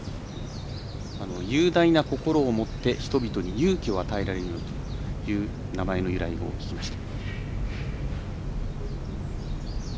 雄大な心を持って人々に勇気を与えるようにという名前の由来を聞きました。